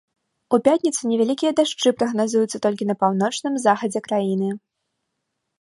У пятніцу невялікія дажджы прагназуюцца толькі на паўночным захадзе краіны.